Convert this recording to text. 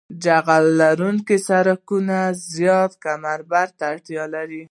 جغل لرونکي سرکونه زیات کمبر ته اړتیا لري